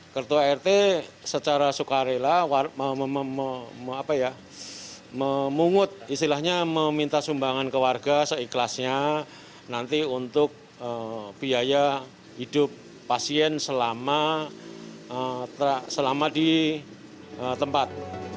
ketua rt secara sukarela memungut istilahnya meminta sumbangan ke warga seikhlasnya nanti untuk biaya hidup pasien selama di tempat